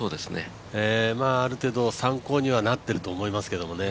ある程度参考にはなってると思いますけどね。